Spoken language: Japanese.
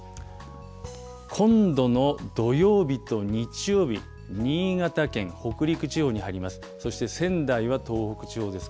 今度の土曜日と日曜日、新潟県、北陸地方に入ります。